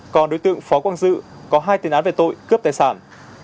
còn đối tượng phó quang dự có hai tiền án về tội cướp tài sản